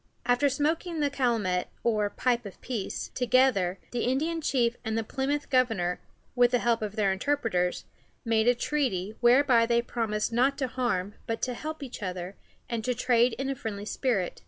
After smoking the calumet, or "pipe of peace," together, the Indian chief and the Plymouth governor with the help of their interpreters made a treaty, whereby they promised not to harm but to help each other, and to trade in a friendly spirit.